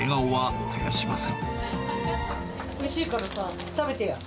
おいしいから食べてよ。